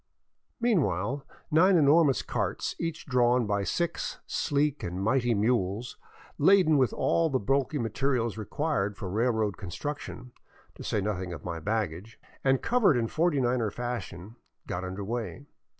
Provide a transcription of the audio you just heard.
Meanwhile nine enormous carts, each drawn by six sleek and mighty mules, laden with all the bulky material required for railroad con struction, to say nothing of my baggage, and covered in Forty niner fashion, got under way.